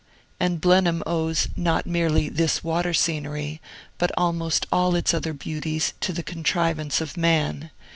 And Blenheim owes not merely this water scenery, but almost all its other beauties, to the contrivance of man.